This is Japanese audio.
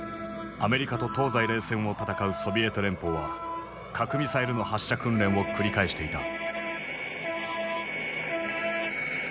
アメリカと東西冷戦を戦うソビエト連邦は核ミサイルの発射訓練を繰り返していた。